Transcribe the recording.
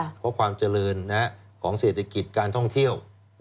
เพราะความเจริญของเศรษฐกิจการท่องเที่ยว